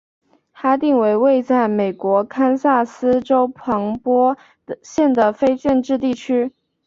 哈定为位在美国堪萨斯州波旁县的非建制地区。